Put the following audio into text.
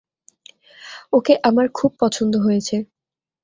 ওকে আমার খুব পছন্দ হয়েছে।